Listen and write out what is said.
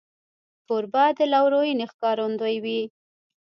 کوربه د لورینې ښکارندوی وي.